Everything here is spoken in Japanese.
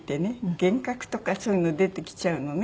幻覚とかそういうの出てきちゃうのね。